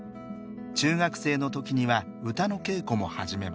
中学生の時には歌の稽古も始めます。